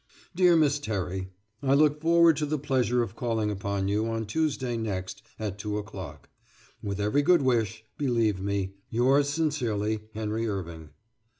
DEAR MISS TERRY: I look forward to the pleasure of calling upon you on Tuesday next at two o'clock, With every good wish, believe me, Yours sincerely, HENRY IRVING.